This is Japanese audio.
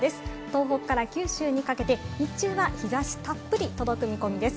東北から九州にかけて日中は日差したっぷり、届く見込みです。